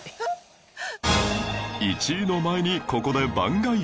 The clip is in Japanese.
１位の前にここで番外編